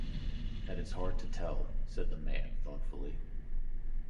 "That is hard to tell," said the man, thoughtfully.